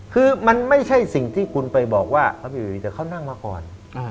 คือมันไม่ใช่สิ่งที่คุณไปบอกว่าเขาไปอุยแต่เขานั่งมาก่อน